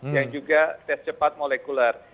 yang juga tes cepat molekuler